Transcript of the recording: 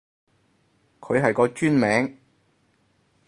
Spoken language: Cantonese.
佢係個專名